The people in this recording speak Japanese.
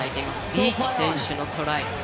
リーチ選手のトライ。